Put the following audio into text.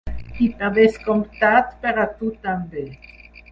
I per descomptat per a tu també!